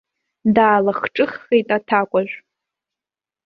Даалахҿыххеит аҭакәажә.